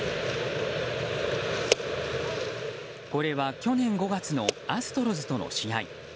これは去年５月のアストロズとの試合。